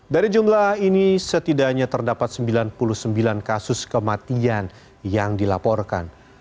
dari jumlah ini setidaknya terdapat sembilan puluh sembilan kasus kematian yang dilaporkan